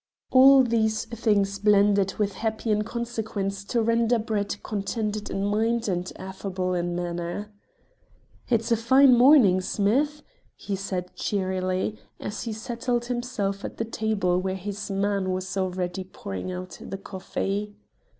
All these things blended with happy inconsequence to render Brett contented in mind and affable in manner. "It's a fine morning, Smith," he said cheerily, as he settled himself at the table where his "man" was already pouring out the coffee.